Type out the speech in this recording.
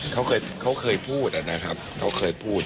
เขาเคยพูดนะครับเขาเคยพูด